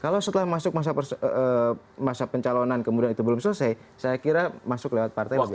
kalau setelah masuk masa pencalonan kemudian itu belum selesai saya kira masuk lewat partai begitu